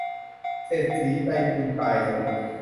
เศรษฐีใจบุญตายลง